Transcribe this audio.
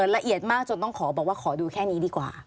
ละเอียดมากจนต้องขอบอกว่าขอดูแค่นี้ดีกว่า